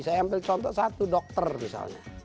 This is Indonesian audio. saya ambil contoh satu dokter misalnya